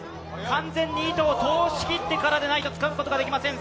完全に糸を通しきってからじゃないとつかむことができません。